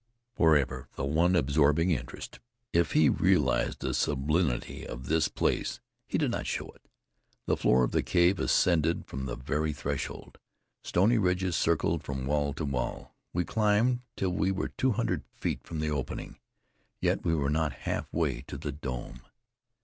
Forever the one absorbing interest! If he realized the sublimity of this place, he did not show it. The floor of the cave ascended from the very threshold. Stony ridges circled from wall to wall. We climbed till we were two hundred feet from the opening, yet we were not half way to the dome.